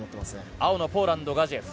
青のポーランドガジエフ。